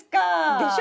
でしょ？